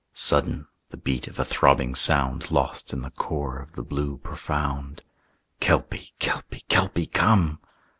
Sudden, the beat of a throbbing sound Lost in the core of the blue profound: "Kelpie, Kelpie, Kelpie, come!"